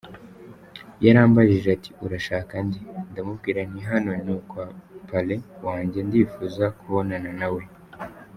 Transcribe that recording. Yarambajije ati urashaka nde, ndamubwira nti hano ni kwa parrain wanjye ndifuza kubonana nawe.